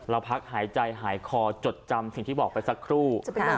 พักหายใจหายคอจดจำสิ่งที่บอกไปสักครู่